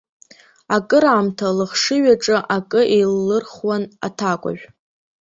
Акыраамҭа лыхшыҩаҿы акы еиллырхуан аҭакәажә.